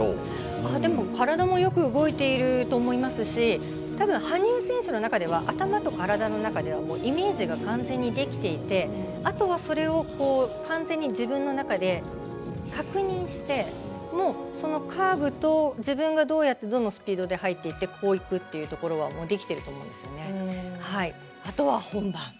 体もよく動いていると思いますしたぶん羽生選手の中では頭と体の中ではイメージが完全にできていてあとはそれを完全に自分の中で確認してそのカーブと自分がどうやってどのスピードで入っていってこういくってところはできていると思うんですね。